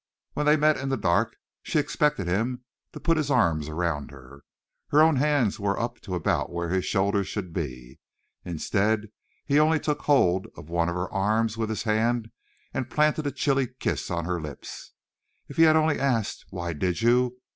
When they met in the dark she expected him to put his arms around her. Her own hands were up to about where his shoulders should be. Instead he only took hold of one of her arms with his hand and planted a chilly kiss on her lips. If he had only asked, "Why did you?"